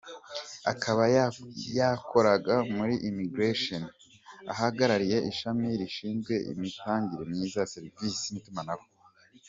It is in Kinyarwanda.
Akaba yakoraga muri Immigration ahagarariye ishami rishinzwe imitangire myiza ya service n’itumanaho.